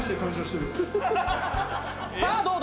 さあどうだ？